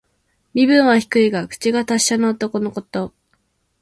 身分は低いが、口が達者な男のこと。